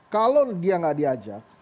kalau dia gak diajak